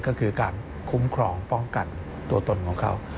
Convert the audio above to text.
ก็คือการคุ้มครองป้องกันตัวตนของเขา